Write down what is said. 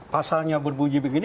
pasalnya berbunyi begini